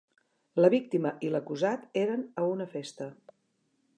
La víctima i l'acusat eren a una festa.